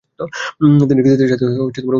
তিনি কৃতিত্বের সাথে উত্তীর্ণ হয়েছিলেন।